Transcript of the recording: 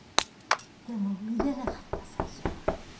でも見れなかった最初は。